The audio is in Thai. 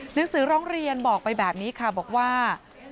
หนังสือร้องเรียนบอกไปแบบนี้ค่ะบอกว่า